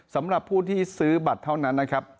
สำหรับผู้ที่ซื้อบัตรเท่านั้นนะครับ